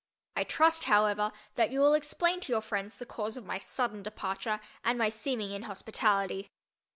I trust, however, that you will explain to your friends the cause of my sudden departure and my seeming inhospitality.